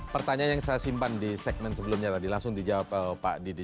pertanyaan yang saya simpan di segmen sebelumnya tadi langsung dijawab pak didi